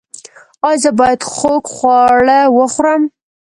ایا زه باید خوږ خواړه وخورم؟